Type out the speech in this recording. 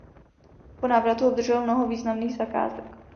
Po návratu obdržel mnoho významných zakázek.